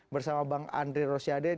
bersama bang andri rosiade